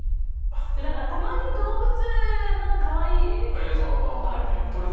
だからたまに動物のカワイイ映像番組とかあるじゃないですか。